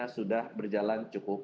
sudah berjalan cukup